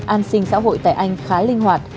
an sinh xã hội tại anh khá linh hoạt